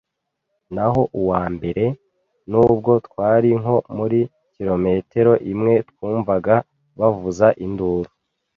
Naho uwambere, nubwo twari nko muri kilometero imwe, twumvaga bavuza induru